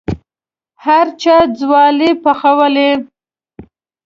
هر چا ځوالې پخولې.